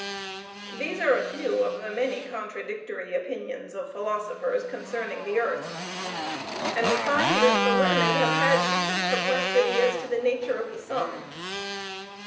These are a few of the many contradictory opinions of philosophers concerning the earth, and we find that the learned have had equal perplexity as to the nature of the sun.